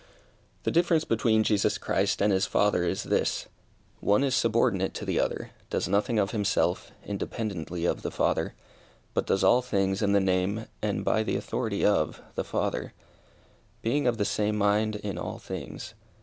The difference between Jesus Christ and his Father is this one is subordinate to the other, does nothing of himself, independently of the Father, but does all things in the name and by the authority of the Father, being of the same mind in all things.